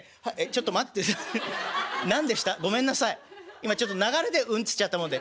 今ちょっと流れで『うん』っつっちゃったもんで。